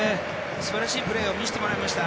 素晴らしいプレーを見せてもらいました。